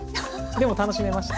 でも楽しめました。